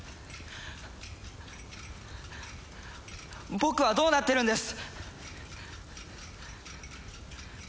僕はどうなってるんです？